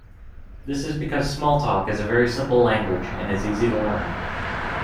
This is because Smalltalk is a very simple language and is easy to learn.